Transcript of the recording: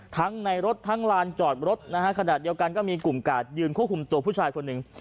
ทั้งในรถทั้งลานจอดรถนะฮะขณะเดียวกันก็มีกลุ่มกาดยืนควบคุมตัวผู้ชายคนหนึ่ง